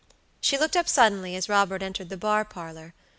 She looked up suddenly as Robert entered the bar parlor.